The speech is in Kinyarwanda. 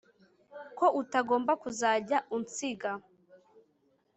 ko utagomba kuzajya unsiga